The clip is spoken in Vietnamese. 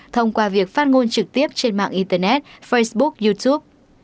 thông qua việc phát ngôn trực tiếp trên mạng internet facebook youtube